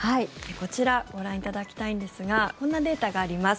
こちらご覧いただきたいんですがこんなデータがあります。